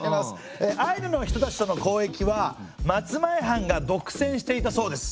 アイヌの人たちとの交易は松前藩が独占していたそうです。